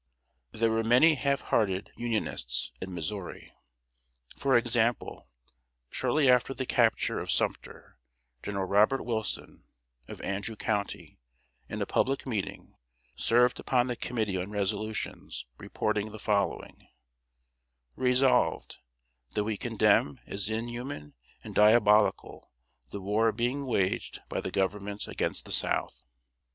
] There were many half hearted Unionists in Missouri. For example, shortly after the capture of Sumter, General Robert Wilson, of Andrew County, in a public meeting, served upon the committee on resolutions reporting the following: "Resolved, That we condemn as inhuman and diabolical the war being waged by the Government against the South."